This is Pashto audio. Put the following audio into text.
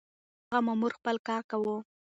هغه مامور خپل کار کاوه.